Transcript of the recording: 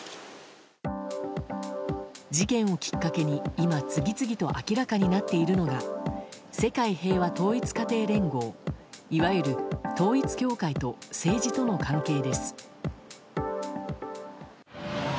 事件をきっかけに、今次々と明らかになっているのが世界平和統一家庭連合いわゆる統一教会と政治との関係です。